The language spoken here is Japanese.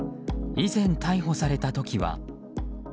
以前逮捕された時は。